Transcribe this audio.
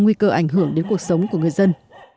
nguy cơ ảnh hưởng đến cuộc sống của người dân